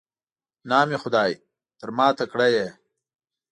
نام خدای، تر ما تکړه یې.